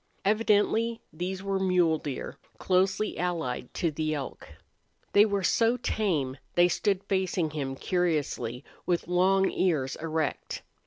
Evidently these were mule deer, closely allied to the elk. They were so tame they stood facing him curiously, with long ears erect.